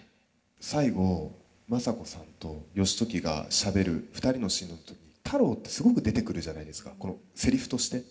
最後政子さんと義時がしゃべる２人のシーンの時太郎ってすごく出てくるじゃないですかセリフとして。